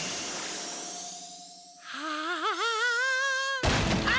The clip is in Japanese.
はあ！